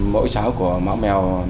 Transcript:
mỗi xáo của máu mèo